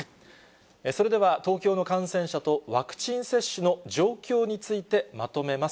それでは、東京の感染者とワクチン接種の状況についてまとめます。